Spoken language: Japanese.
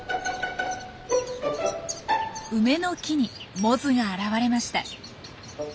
梅の木にモズが現れました。